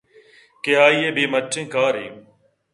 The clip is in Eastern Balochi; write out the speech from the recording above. کہ آئی ءِ بے مٹیّں کارے